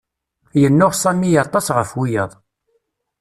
Yennuɣ Sami aṭas ɣef wiyaḍ.